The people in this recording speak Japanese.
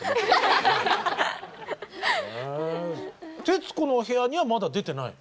「徹子の部屋」にはまだ出てない？